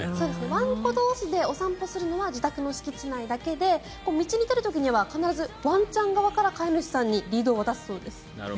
ワンコ同士でお散歩するのは自宅の敷地内だけで道に出る時には必ずワンちゃん側から飼い主さんにリードを渡すそうです。